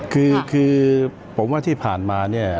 คือผมว่าที่ผ่านมา